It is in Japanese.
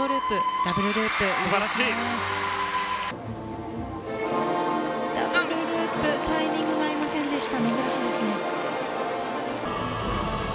ダブルループタイミングが合いませんでした。